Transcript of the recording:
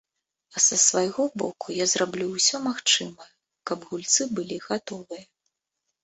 А са свайго боку я зраблю ўсё магчымае, каб гульцы былі гатовыя.